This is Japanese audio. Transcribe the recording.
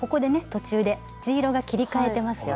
途中で地色が切りかえてますよね。